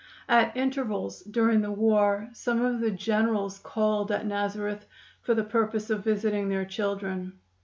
At intervals during the war some of the generals called at Nazareth for the purpose of visiting their children.